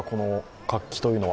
活気というのは。